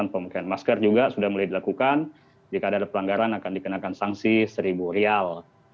pemakaian masker juga sudah mulai dilakukan jika ada pelanggaran akan dikenakan sanksi seribu rial